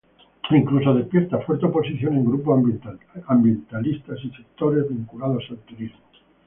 Incluso despierta fuerte oposición en grupos ambientalistas y sectores vinculados al turismo.